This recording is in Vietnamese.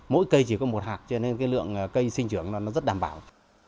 mỗi cây chỉ có một hạt cho nên cái lượng cây sinh trưởng nó rất đảm bảo